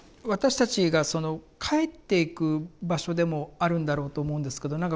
私たちがその帰っていく場所でもあるんだろうと思うんですけど。